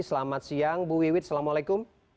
selamat siang bu wiwit assalamualaikum